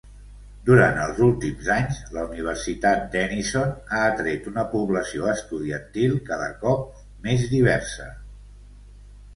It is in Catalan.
Durant els últims anys, la Universitat Denison ha atret una població estudiantil cada cop més diversa.